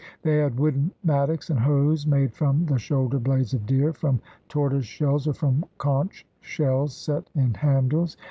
They had wooden mat tocks and hoes made from the shoulder blades of deer, from tortoise shells, or from conch shells set in handles.